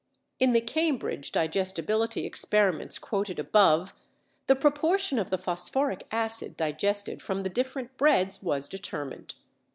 In the Cambridge digestibility experiments quoted above the proportion of the phosphoric acid digested from the different breads was determined.